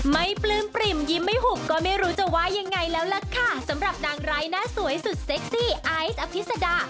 ปลื้มปริ่มยิ้มไม่หุบก็ไม่รู้จะว่ายังไงแล้วล่ะค่ะสำหรับนางร้ายหน้าสวยสุดเซ็กซี่ไอซ์อภิษดา